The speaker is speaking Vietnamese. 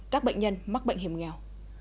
các bệnh nhân mắc bệnh hiểm nghèo